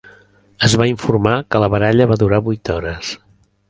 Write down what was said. Es va informar que la baralla va durar vuit hores.